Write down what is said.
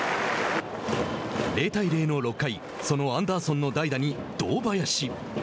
０対０の６回、そのアンダーソンの代打に堂林。